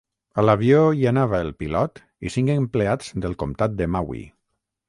A l'avió hi anava el pilot i cinc empleats del comtat de Maui.